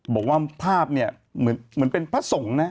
บอกว่าภาพเนี่ยเหมือนเป็นพระสงฆ์นะ